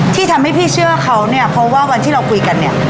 ที่ทำให้พี่เชื่อเขาเนี่ยเพราะว่าวันที่เราคุยกันเนี่ย